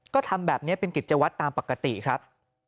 ก็ทำแบบนี้เป็นกิจวัตรตามปกติครับ